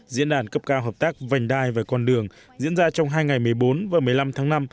diễn đàn cấp cao hợp tác vành đai và con đường diễn ra trong hai ngày một mươi bốn và một mươi năm tháng năm